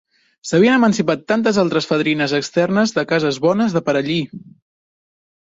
S'havien emancipat tantes altres fadrines externes de cases bones de per allí!